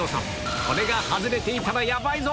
これが外れていたらやばいぞ。